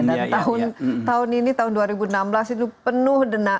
dan tahun ini tahun dua ribu enam belas itu penuh dena